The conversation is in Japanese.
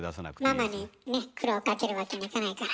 ママにねっ苦労かけるわけにいかないから。